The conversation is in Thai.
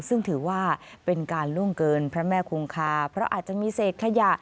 ซึ่งถือว่าเป็นการล่วงเกินพระแม่คงคาเพราะอาจจะมีเศษขยะ